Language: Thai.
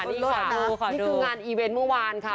นี่คืองานอีเวนต์เมื่อวานค่ะ